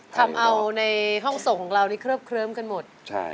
ทำเอาในห้องส่งของเรานี่เคลิบเคลิ้มกันหมด